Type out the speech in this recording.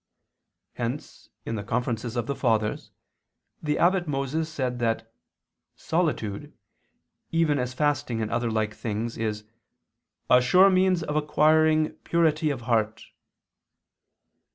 Hence in the Conferences of the Fathers (Coll. i, 7) the Abbot Moses says that "solitude," even as fasting and other like things, is "a sure means of acquiring purity of heart."